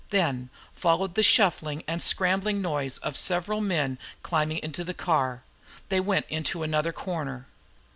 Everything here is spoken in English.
Then followed the shuffling and scrambling noise made by several men climbing into the car. They went into another corner.